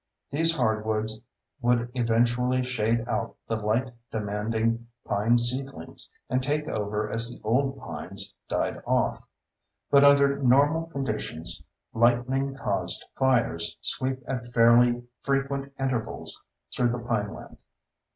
These hardwoods would eventually shade out the light demanding pine seedlings, and take over as the old pines died off. But under normal conditions, lightning caused fires sweep at fairly frequent intervals through the pineland.